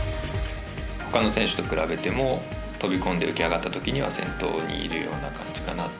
ほかの選手と比べても飛び込んで浮き上がったときには先頭にいるような感じかなと。